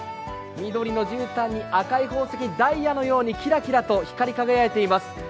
緑のじゅうたんに赤い宝石、ダイヤのようにキラキラと光り輝いています。